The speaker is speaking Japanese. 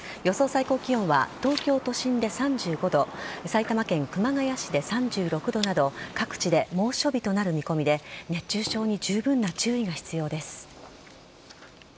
最高気温は東京都心で３５度埼玉県熊谷市で３６度など各地で猛暑日となる見込みで熱中症に十分な注意が必要です。